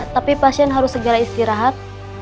tapi pasien harus segera istirahat